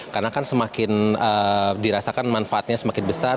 karena kan semakin dirasakan manfaatnya semakin besar